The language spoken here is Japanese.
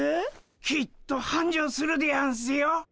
きっとはんじょうするでやんすよ。